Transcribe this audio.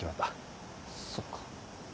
そっか。